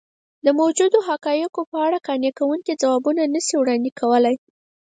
د موجودو حقایقو په اړه قانع کوونکي ځوابونه نه شي وړاندې کولی.